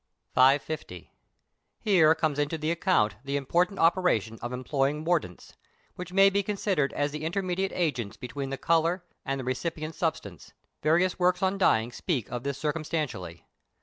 550. Here comes into the account the important operation of employing mordants, which may be considered as the intermediate agents between the colour and the recipient substance; various works on dyeing speak of this circumstantially.